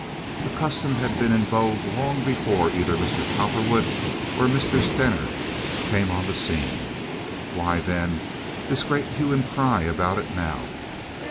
The custom had been in vogue long before either Mr. Cowperwood or Mr. Stener came on the scene. Why, then, this great hue and cry about it now?